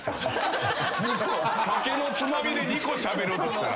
『酒のツマミ』で２個しゃべろうとしたら。